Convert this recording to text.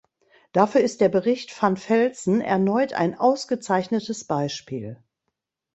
Dafür ist der Bericht van Velzen erneut ein ausgezeichnetes Beispiel.